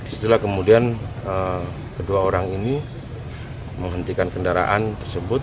setelah kemudian kedua orang ini menghentikan kendaraan tersebut